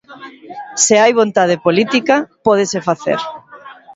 Se hai vontade política, pódese facer.